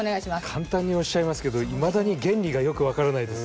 簡単におっしゃいますけどいまだに原理がよく分からないです。